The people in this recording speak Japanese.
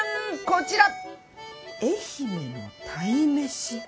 こちら愛媛の鯛めし！